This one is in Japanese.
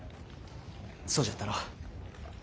そうじゃったの。